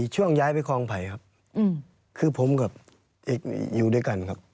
ช่วงย้ายไปคลองไผ่ครับคือผมกับอยู่ด้วยกันครับ